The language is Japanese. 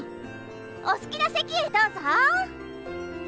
お好きな席へどうぞ。